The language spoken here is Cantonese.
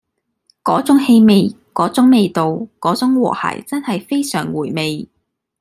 嗰種氣味嗰種味道嗰種和諧真係非常回味